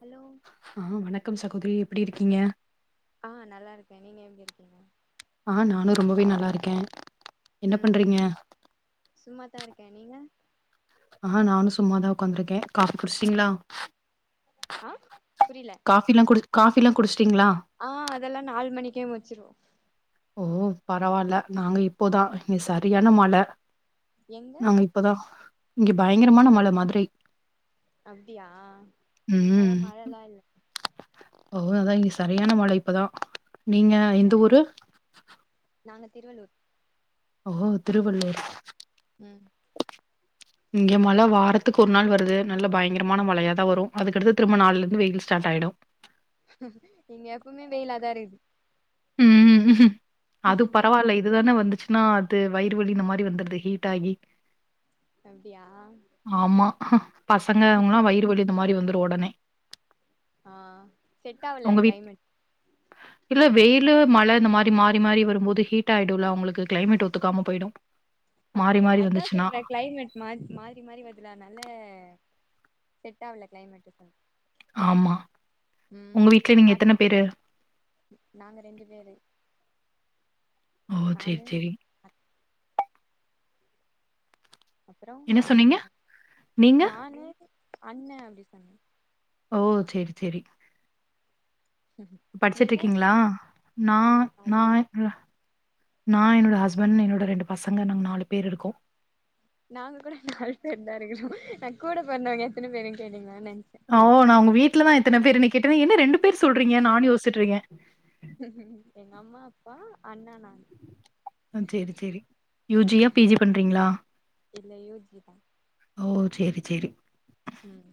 Hello ஆ வணக்கம் சகோதரி எப்டி இருக்கீங்க ஆ நல்லா இருக்கே நீங்க எப்டி இருக்கீங்க ஆ நானு ரொம்பவே நல்லா இருக்கே என்ன ம் பண்றீங்க? சும்மா தா இருக்கே நீங்க ஆ நானு சும்மாதா உக்காந்துருக்கே காஃபி குடிச்சிட்டிங்ளா ஆ புரியல காஃபிலா குடி காஃபிலா குடிச்சிட்டிங்ளா ஆ அதெல்லா நால் மணிக்கே முச்சிருவோ ஓ பரவால்ல நாங்க இப்போதா இங்க சரியான மழ எங்க நாங்க இப்பதா இங்க பயங்கரமான மழ மதுரை அப்டியா இங்கல்லா ம் மழல்லா இல்ல ஓ அத்தா இங்க சரியான மழ இப்பதா நீங்க எந்த அப்டியா ஊரு? நாங்க திருவள்ளூர் ஓ திருவள்ளூரா உம் இங்க மழ வாரத்துக்கு ஒரு நாள் வருது நல்ல பயங்கரமான மழயா தா வரும் அதுக்கடுத்து திரும்ப நாளைலருந்து வெயில் ஸ்டார்ட் ஆயிடு இங்க எப்பவுமே வெயிலாதா இருக்து ம் ம் அது பரவால்ல இதுதானே வந்துச்சுன்னா அது வயிறு வலி இந்த மாறி வந்துருது ஹீட் ஆகி அப்டியா ஆமா பசங்க அவுங்கல்லா வயிறு வலி இந்த மாறி வந்துரும் உடனே அ செட் ஆவலயா உங்க வீட் க்ளைமெட் இல்ல வெயி லு மழ இந்த மாறி மாறி மாறி வரும்போது ஹீட் ஆயிடுல்ல அவங்களுக்கு கிளைமெட் ஒத்துகாம போயிடும் மாறி அப்டியா மாறி அத்தா வந்துச்சுன்னா. சொல்றே கிளைமெட் மாத் மாறி மாறி வருதுல்ல அனால செட் ஆவல கிளைமெட்டுப்பா ஆமா. உம் உங்க வீட்ல நீங்க சாப் எத்தன பேரு? நாங்க ரெண்டு பேரு ஓ சேர் நானு சேரி அப்றோ என்ன பண்றீங்க நீங்க? நானு அண்ணே அப்டி சொன்னே ஓ சேரி சேரி படிச்சுட்டு நீங்க இருக்கீங்ளா நா ஆமா நா காலேஜ் உட்றா நா என்னோட ஹஸ்பண்ட் என்னோட ரெண்டு பசங்க நாங்க நாலு பேரு இருக்கோ நாங்க கூட நாலு பேரு தா இருக்கறோ நா கூட பொறந்தவங்க எத்தன பேருன்னு கேட்டிங்களோன்னு நெனச்சே அ ஓ நா உங்க வீட்ல தா எத்தன பேருன்னு கேட்டே என்ன ரெண்டு பேரு சொல்றீங்க நானும் யோசிட்டுயிருக்கே எங்க அம்மா அப்பா அண்ணே நா ஆ சேரி சேரி யூ ஜி யா பி ஜி பண்றீங்ளா இல்ல யு ஜி தா ஓ சேரி சேரி ம்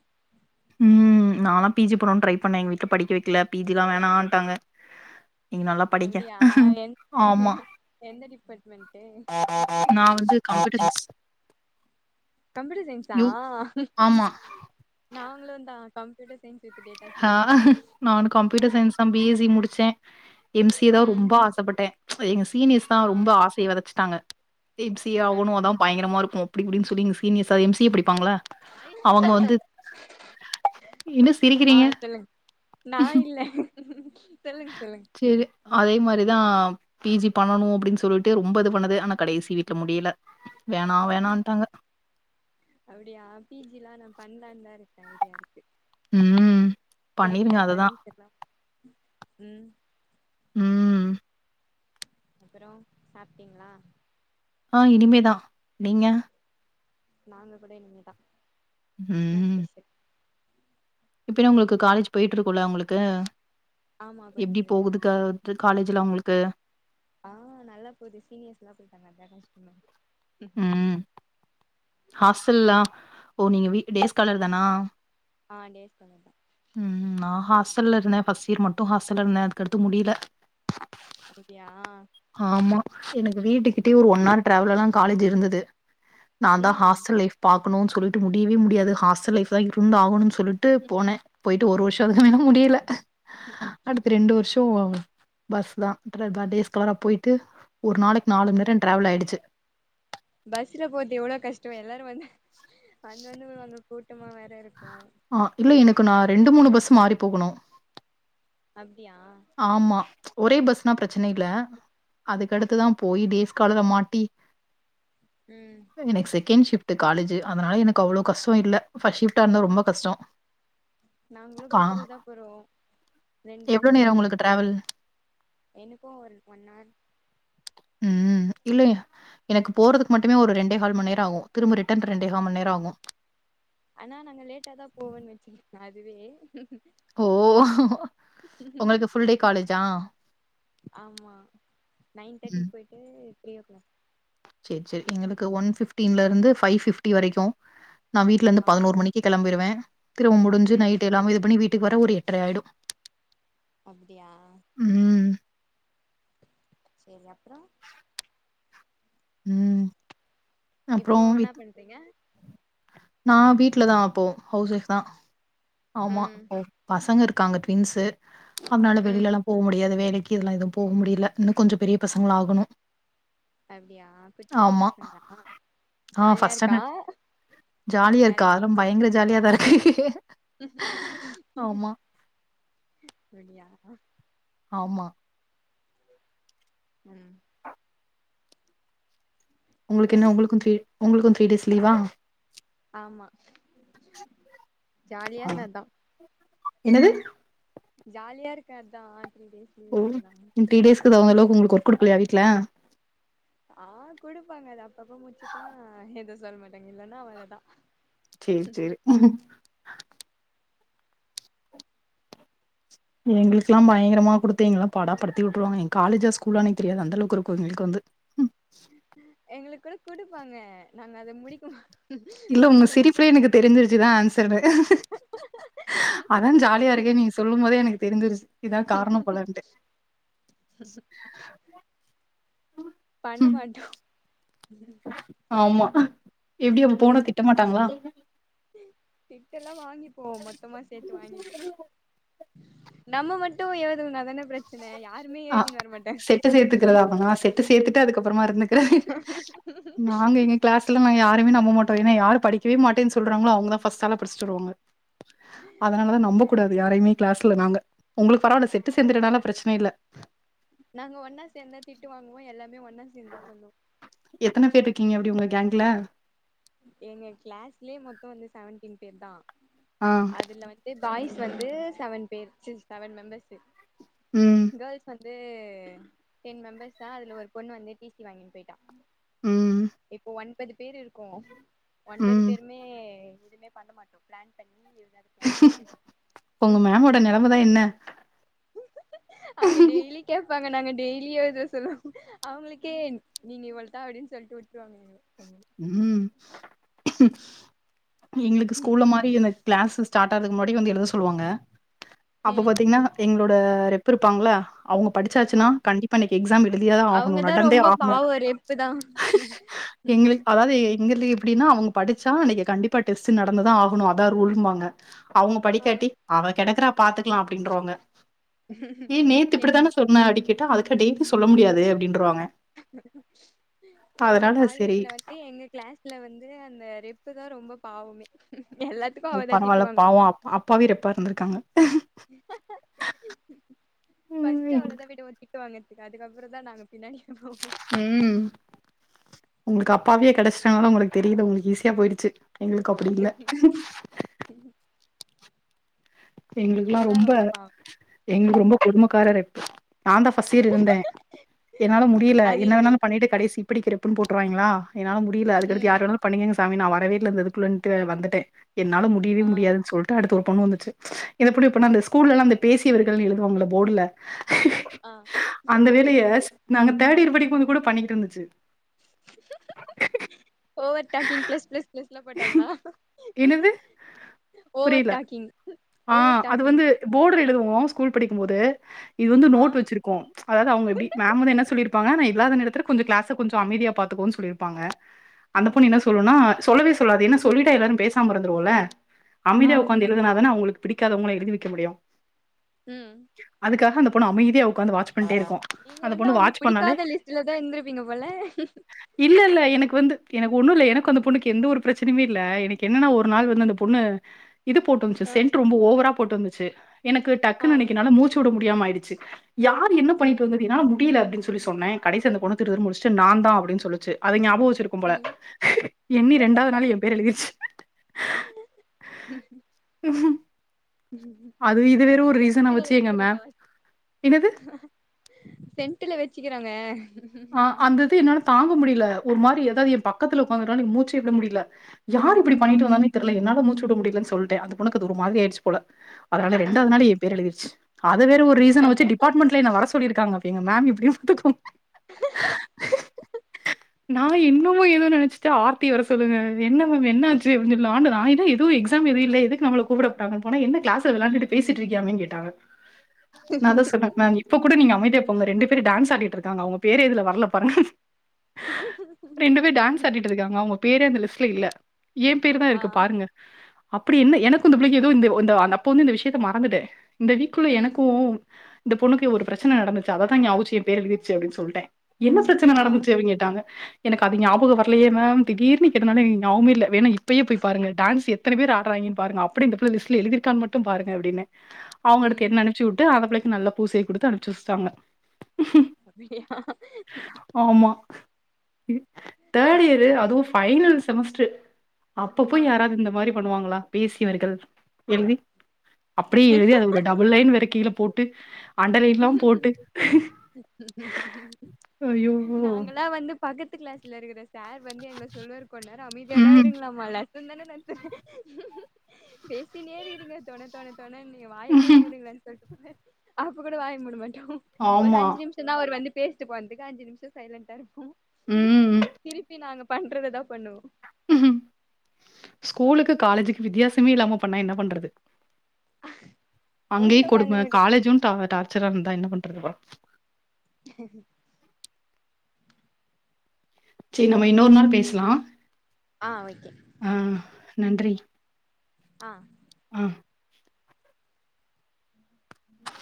ம் நால்லா பி ஜி போட்ணும்னு ட்ரை பண்ணே எங்க வீ்ட்ல படிக்க வெக்கல பி ஜி எல்லா வேணான்ட்டாங்க நீங்க நல்லா படிங்க அப்டியா என் ஆமா எந்த டிபார்ட்மெண்ட்டு நா வந்து கம்யூட்டர் சயின்ஸ் கம்ப்யூட்டர் சயின்ஸா ஐயோ! ஆமா. நாங்களு தா computer science with data ah science நானும் கம்ப்யூட்டர் சயின்ஸ் தா பி எஸ் சி முடிச்சே எம் சி தா ம் ரொம்ப ஆசப்பட்டே எங்க சீனியர்ஸ் தா ஆ ரொம்ப ஆசைய வெதச்சுட்டாங்க எம் சி அப்டி ஆகணு அத்தா பயங்கரமா இருக்கும். அப்டி இப்டின்னு சொல்லி எங்க சீனியர்ஸ்சா எம் சி எ படிப்பாங்களா அவங்க வந்து என்ன ஆ சிரிக்கிறீங்க?" சொல்லுங் நா இல்ல சொல்லுங் சொல்லுங் சேரி அதே மாறி தா பி ஜி பண்ணணு அப்டின்னு சொல்லிட்டு ரொம்ப இது பண்ணது ஆனா கடைசி வீட்ல முடியில வேணா வேணான்ட்டாங்க அப்டியா பி ஜி ல்லா நா பண்லான்னு தா இருக்கேன் ஐடியா இருக்கு ம். கேட்ட பண்ணிருங்க அததான். பர்மிஷன்லாம் ம் ம் அப்றோ சாப்ட்டீங்களா ஆ இனிமே தா நீங்க நாங்க கூட இனிமே தா ம் ம் இப்ப என்ன உங்களுக்கு காலேஜ் போயிட்டு இருக்குல உங்களுக்கு ஆமா போயிட்டு எப்டி இருக்கு போகுதுக்கா து காலேஜ்ல உங்களுக்கு ஆ நல்லா போது சீனியர்ஸ்ல்லா போயிட்டாங்க அதா கஷ்டமா இருக்கு ஹாஸ்டல்ல ஓ நீங்க வி டேஸ் காலர் தானா ஆ டேஸ் காலர்தா ம் நா ஹாஸ்டல்லல இருந்தே ஃபர்ஸ்ட் இயர் மட்டு ஹாஸ்டல்ல இருந்தே அதுக்கடுத்து முடியல அப்டியா ஆமா எனக்கு வீட்டுக்கிட்டேயே ஒரு ஒன் ஹவர் டிரவல்லாதா காலேஜ் இருந்தது நா தா ம் ஹாஸ்டல்லைப் பாக்கணும்னு சொல்லிட்டு முடியவே முடியாது ஹஸ்டல் லைப் தா இருந்து ஆகுன்னு சொல்லிட் டு போனே போயிட்டு ஒரு வருஷ அதுக்கு மேல முடியல அடுத்து ரெண்டு வருஷோ பஸ் தா ரே டேஸ் கலரா போயிட்டு ஒரு நாளைக் நாலு ம் நேரோ ட்ராவல் ஆயிடுச்சு பஸ்ல போறது எவ்ளோ கஷ்டோ எல்லாரு வந்து வந்து வந்து அங்க கூட்டமா வேற இருக்கு ஆ இல்ல எனக்கு நா ரெண்டு மூணு பஸு மாறி போகணு அப்டியா ஆமா ஒரே பஸ்னா பிரச்சனை இல்ல அதுக்கடுத்துதா போய் டேஸ் காலர்ல மாட்டி ம் எனக்கு செகண்ட் ஷிப்டு காலேஜ் அதனால எனக்கு அவ்ளோ கஷ்டோ இல்ல ஃபர்ஸ்ட் ஷிப்டா இருந்தா ரொம்ப கஷ்டோ நாங்களு பஸ்ல தா போறோ ரெண்டு எவ்ளோ பஸ்ஸு நேரோ உங்களுக்கு பிடிக்கிறோ ட்ரவல் எனக்கு ஒரு ஒன் ஹவர் ம் இல்ல எனக்கு போறதுக்கு மட்டுமே ஒரு ரெண்டே கால் மணி நேரோ ஆகு திரும்ப ரிட்டன் ரெண்டே கா மணி நேரோ ஆகு ஆனா நாங்க லேட்டாதா போவோன்னு வச்சக்கோங்க அதுவே ஓ உங்களுக்கு ஃபுல் டே காலேஜா ஆமா நைன் தேர்ட்டிக்கு போயிட்டு த்ரீ ஓ கிளாக் செரி செரி வருவாங்க எங்களுக்கு ஒன் ஃபிப்டின்ல இருந்து ஃபைவ் ஃபிப்டி வரைக்கு நா வீட்டுல இருந்து ஆ பதினோரு மணிக் கி கெளம்பிடுவே திரும்ப முடிஞ்சு ம் நைட் எல்லா இது பண்ணி வீட்டுக்கு வர ஒரு எட்டரை ஆயிடு அப்பிடியா ம் சேரி அப்புறோ ம் இப்போ என்னாப் பண்றீங்க நா வீட்டுலதா அப்போ ஹவுஸ் ஒஃப் தா ஆமா ம் பசங்க இருக் காங்க டிவின்ஸு அதனால ம் வெளியில எல்லா போ முடியாது வேலைக் கி இதெல்லா எதுவு போக முடியல இன்னு கொஞ்சோ பெரிய பசங்களா ஆகணு அப்டியா குட்டி குட்டி பசங்களா ஆ ஜாலியா ஃபர்ஸ்ட் இருக்கா ஸ்டாண்டர்ட் ஜாலியா இருக்கா அதும் பேரண்டிங்கு பயங்கர ஜாலியாதா இருக்கு ஆமா சொன்னியா ஆமா ம் உங்களுக்கு அப்றோ என்ன உங்களுக்கூ த்ரீ உங்களுக்கூ த்ரீ டேஸ் லீவா ஆமா ஜாலியா ஆ. இருந்தே அதா என்னது ஜாலியா இருக்கொ அதா த்ரீ டேஸ் ஓ லீவுன்ட்டுதா த்ரி டேஸ்கு தகுந்தளவு உங்களுக்கு ஒர்க் கொடுக்கலையா வீட்ல ஆஹ் கொடுப்பாங்க அத அப்பப்போ முடிச்சுட்டா எதூ சொல்ல மாட்டேங்க இல்லன்னா அவ்ளா தா சேர் சேரி எங்களுக்குல்லா பயங்கரமா கொடுத்து எங்கலெல்லா பாடா படுத்தி வுட்டுருவாங்க காலேஜா ஸ்கூலானே தெரியாது அந்தளவுக்கு இருக்கூ எங்களுக்கு வந்து எங்களுக் கூட குடுப்பாங்க நாங்க அத முடிக்கு மாட் இல்ல உங்க சிரிப்புல எனக்கு தெரிஞ்சிருச்சுதா ஆன்சரு அதா ஜாலியா இருக்கே நீங்க சொல்லும் போதே எனக்கு தெரிஞ்சிருச்சு இதா காரணோ போலன்ட்டு ஹ பண்ண மாட்டோ ஆமா எப்டி அப்ப போன திட்ட மாட்டாங்களா திட்டெல்லா வாங்கிப்போ மொத்தமா சேத்து வாங்கிப்போ நம்ம மட்டூ எழுதுலனா தான பிரச் ஆ செட்டு சேர்த்துக்கிறதாமா செட்டு சேர்த்துட்டு அதுக்கப்புறமா இருந்துக்கிறே நாங் எங்கங் கிளாஸ்ல நாங் யாருமே நம்ப மாட்டோ ஏன்னா யார் படிக்கவே மாட்டேன் சொல்றாங்களோ அவுங்க தா ஃபஸ்ட் ஆளா படிச்ட்டு வருவாங்க அதனால தா நம்ப கூடாது யாரையுமே கிளாஸ்ல நாங்க உங்களுக்கு பரவாயில்ல செட்டு சேந்ததுனால பிரச்சன இல்ல நாங்க ஒன்னா சேந்தா திட்டு வாங்குவோ எல்லாமே ஒன்னா சேந்து தா பண்ணுவோ எத்தன பேர் இருக்கீங்க அப்டி உங்க கேங்க்ல எங்க கிளாஸ்லயே மொத்தொ வந்து செவன்டீன் பேர் தா ஆ அதுல வந்து இதே பாய்ஸ் வந்து செவன் பேர் சீ செவன் மெம்பர்ஸ்ஹு ம் கோர்ள்ஸ் வந் இது டென் மெம்பர்ஸ் தான் அதுல ஒரு பொண்ணு வந்து டி சி வாங்கிட்டு போயிட்டா ம் இப்போ ஒன்பது பேர் இருக்கோ ஒன்பது ம் பேருமே எதுவுமே பண்ண மாட்டோ பிளான் பண்ணி எதூமே உங்க மேமோட நெலம தா என்ன அவுங்க டெய்லி கேப் ப்பாங்க நாங்க டெய்லியோ இததா சொல்லோ அவுங்களுக்கே நீங்க இவ்ளோ தா அப்டின் சொல்ட்டு வுட்ருவாங்க ஓ ம் எங்களுக்கு ஸ்கூல்ல மாரி இல்ல கிளாஸ் ஸ்டார்ட் ஆகறதுக்கு முன்னாடி வந்து எழுத சொல்லுவாங்க அப்போ ம் பாத்தீங்கன்னா எங்களோட ரெப்பு இருப்பாங்கில்ல அவுங்க ஆ படிச்சாச்சுன்னா கண்டிப்பா இன்னிக்கு எக்ஸாம் எழுதியே தா ஆகணூ நடந்தே ஆகணூ இப்ப தா எங்களுக்கு அதாவது எங்களுக்கு எப்டின்னா அவுங்க படிச்சா அன்னிக்கு கண்டிப்பா டெஸ்டு நடந்து தா ஆகணூ அதா ரூல்ன்னூவாங்க அவுங்க ஆ படிக்காட்டி அவ கெடக்குறா பாத்துக்கலா அப்டின்றுவாங்க ஏ நேத்து எங்க இப்பிடித்தானே சொன்னா அடிக்கிட்டு அதுகா டெய்லி சொல்ல முடியாது அப்டின்று வாங்க [unintelligible] எங்க சரி காலேஜ்ல ஏ கிளாஸ்ல வந்து அந்த ரெப்பு தா ரொம்ப பாவமே எல்லாத்துக்கு அவதா திட்டுவாங்குவா அப்பாவே ரெப்பா இருந்திருக்காங்க ஃபஸ்ட்டு ம் அவ்ளோ தா விடு ஒரு பரவால்ல அதுக்கப்பறந்தா நாங்க பின்னாடிக்கு ம் உங்களுக்கு அப்பாவியா கெடச்சிட்டாங்கனா உங்களுக்கு தெரில உங்களுக்கு ஈஸியா போயிருச்சு எங்களுக்கு அப்டி இல்ல [inaudible] எங்களுக்கெல்லாம் நீங்கதா ரொம்ப பாவோ எங்களுக்கு ரொம்ப எங்க ரொம்ப கொடுமகாரரு நாந்தா ஃபர்ஸ்ட் இயர் இருந்தே என்னால முடியல அது என்ன வேணாலலு பண்ணிட்டு கடைசி இப்டிக்கிறப்புன்னு போட்டுருவாங்களா என்னால முடில அதுக்கடுத்து ம் யார் வேணாலு பண்ணிக்கங்க சாமி நா வரவேயில்ல இந்த இதுக்குள்ளன்ட்டு வந்துட்டே என்னால முடியவே ஆ முடியாதுன் சொல்லுட்டு அடுத்து ஒரு பொண்ணு வந்துச்சு இது எப்டி இப்போ நம்ம ஸ்கூலல்லா அந்த பேசியவர்கள்னு எழுதுவாங்கள போர்டுல ஆ அந்த வேலைய நாங்க தேர்ட் இயர் படிக்கு போது கூட பண்ணிகிட்ருந்துச்சு over talking plus plus plus ல போட்டாங்களா என்னது ஓவர் புரியல டாக்கிங் ஆ ஓவர் அது டாக்கிங் வந்து போர்டுல எழுதுவோ ஸ்கூல் படிக்கும் போது இவங்க ஆ நோட் வச்சிரு கு அதாவது அவுங்க எப்டி மேம் வந்து என்ன சொல்லிருப்பாங்க நா இல்லாத நேரத்துல கொஞ்ச க்ளாஸ கொஞ்ச அமைதியா பாத்துகோன்னு சொல்லிருப்பாங்க அந்த பொண்ணு என்ன சொல்லுனா சொல்லவே சொல்லாது ஏன்ன சொல்லிட்டா எல்லாரு பேசாம இருந்துருவோல ஆ அமிதியா உக்காந்து எழுதுனாதானே அவங்களுக்கு பிடிக்காதவங்கள எழுதி வைக்க முடியு ம் அதுக்காக அந்த பொண்ணு அமைதிய உக்காந்து வாட்ச் பண்ணிட்டே இருக்கு நீங்க வந்து அவங்க பிடிக்காத லிஸ்ட்லதா இருந்திருப்பீங்க போல இல்ல இல்ல எனக்கு வந்து எனக்கு ஒண்ணு இல்ல எனக்கு அந்த பொண்ணுக்கு எந்த ஒரு பிரச்சனமே இல்ல எனக்கு என்னன்னா ஒரு நாள் வந்து அந்த பொண்ணு இது போட்டச்சு ஆ சென்ட் ரொம்ப ஓவரா போட்டு வந்துச்சு எனக்கு ஆ டக்குன்னு அன்னைக்கு எனக்கு மூச்சு விட முடியாம ஆயிச்சு யார் என்ன ம் பண்ணிட்டு வந்து எப்டின்னா முடியல அப்டின் சொன்ன கடைசி அந்த பொண்ணு திருதிருனு முழிச்சிட்டு நான்தா அப்டின்னு சொல்லுச்சி அது ஞாபக வச்சுட்டு கும்போல ம் எண்ணி ரெண்டாவது நாளே எ பேர எழுதிருச்சு ம் சரி ரீசனா கீழ வச்சு எங்க மேம் வச்சக்கிறே நா என்னது? சென்ட்டுலா வச்சிக்கிறாங்க ஆ அந்தது என்னாலா தாங்க முடியல ஒரு மாரி ஏதாவது எ பக்கத்துல உக்காந்துட்டா மூச்சே விட முடியல யார் இப்டி ஆ பண்ணிட்டு வந்தானே தெரியல என்னால மூச்ச விட முடியலன் சொல்லிட்ட அந்த பொண்ணுக்கு அது ஒரு மாரி ஆயிடுச்சு போல அதனால ரெண்டாவது ம் நாளே எ பேர எழுதிருச்சு அத வேற ஒரு ரீசன வச்சு டிபார்ட்மெண்ட்லே என்ன வர சொல்லிருங்காங்க எங்க மேம் எப்டி [unintelligible] நா என்னமோ ஏதோ நெனைச்சு சார் ஆத்தியா வர சொல்லுங்க என்ன மேம் என்ன ஆச்சு அப்டின்னு சொல்ல நாங்க லாயரு எது எக்ஸாம் எது இல்ல எதுக்கு நம்ளை கூப்ட அங்க போனா என்ன க்ளாஸ் விளையாண்டுட்டு பேசிட்ருக்கியாமே கேட்டாங்க நாந்தா சொன்னே மேம் இப்ப கூட நீங்க அமைதியா போங்க ரெண்டு பேரும் டான்ஸ் ஆடிட்ருக்காங்க அவங்க பேரே இதுல வரல பாருங்க ரெண்டு பேர் டான்ஸ் ஆடிட்ருக்காங்க அவங்க பேரே அந்த லிஸ்ட்ல இல்ல ஏ பேரு தா ஆ இருக்கு பாருங்க அப்டி என்ன எனக்கு இந்த பிள்ளைக்கு ஏதோ இந்த அப்ப வந்து இந்த விஷயத்த மறந்துட்டே இந்த வீக்குல ம் எனக்கு இந்த பொண்ணுக்கு ஒரு பிரச்சன நடந்துச்சி அததா ஞாபகம் வச்சி எ பேரு எழுதி வச்சிருக்கு அப்டின்னு சொல்லிட்டே என்ன பிரச்சின ஆ நடந்துச்சு அப்டினு கேட்டாங்க எனக்கு அது ஞாபக வரலையே மேம் தீடீர்னு கேட்டனால எனக்கு ஞாபக இல்ல வேனா இப்பயே போய் பாருங்க டான்ஸ்சு இத்தனை பேர் ஆடுறாய்ங்கன் பாருங்க அப்டி இந்தப்பிள்ள லலிஸ்ட்ல எழுதிருக்கான்னு மட்ட பாருங்க அப்டின்னே ம் அவுங்கடுத்து என்ன அனுப்ச்சு வுட்டு அந்த புள்ளைக்கு நல்லா பூசைய குடுத்து அனுப்புச்சு வச்சிட்டாங்க அப்டியா ஆமா இ தேர்ட் இயரு அதுவு ஃபைனல் செமஸ்ட்ரு அப்ப ஆ போய் யாராவது இந்த மாரி பண்ணுவாங்களா பேசியவர்கள் எழுதி அப்டியே எழுதி அது ஒரு டபுள் லைன் வேற கீழ போட்டு அண்டர் லைன் ல்லா போட்டு ஐயோ! நாங்களா வந்து பக்கத்து கிளாஸ்ல இருக்கிற சார் வந்து எங்கள சொல்லுவாரு கொஞ்சோ நேரோ அமைதியா தா ம். இருங்களேமா லெஸ் லெசன் தான நடத்துறே பேசினே இருக்கிறீங்க தொன தொன தொனனு ஏ வாயத்த மூடுங்களே சா சொல்ல அப்ப கூட வாய மூட மாட்டோ ஒரு ஆமா. அஞ்சு நிமிஷ் சிந்தா அவரு வந்து பேசிட்டு போனதுக்கு அஞ்சு நிம்ஷோ சைலண்டா இருப்போ ம். திருப்பி நாங்க பண்றது தா பண்ணுவோ ஸ்கூலுக்கு காலேஜ்க்கு வித்தியாசமே இல்லாம பண்ணா என்ன பண்றது அங்கேயே ஒண்ணு பண்ண கொடும முடியாது காலேஜ்ம் டா டார்ச்சரா இருந்தா என்ன பண்றது பா செரி நம்ம இன்னொரு நாள் பேசலா ஆ ஓகே ஆ நன்றி ஆ ஆ ம் ஹும்